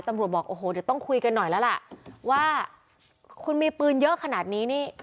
บอกโอ้โหเดี๋ยวต้องคุยกันหน่อยแล้วล่ะว่าคุณมีปืนเยอะขนาดนี้นี่